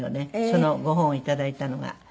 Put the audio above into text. そのご本を頂いたのが。